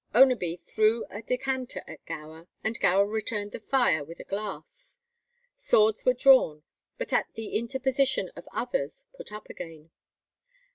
Oneby threw a decanter at Gower, and Gower returned the fire with a glass. Swords were drawn, but at the interposition of others put up again.